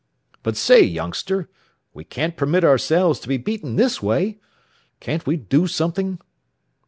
"But say, youngster, we can't permit ourselves to be beaten this way. Can't we do something?"